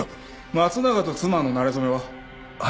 松永と妻のなれ初めは？